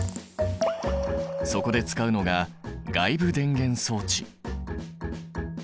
そこで使うのが外部電源装置。